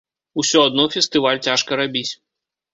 Усё адно фестываль цяжка рабіць.